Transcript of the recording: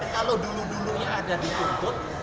kalau dulu dulunya ada dituntut